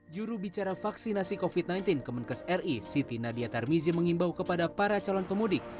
juru bicara vaksinasi covid sembilan belas kemenkes ri siti nadia tarmizi mengimbau kepada para calon pemudik